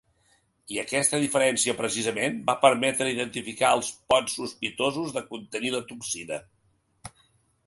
I aquesta diferència, precisament, va permetre identificar els pots sospitosos de contenir la toxina.